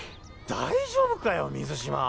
大丈夫かよ水嶋。